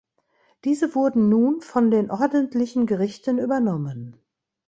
Diese wurden nun von den ordentlichen Gerichten übernommen.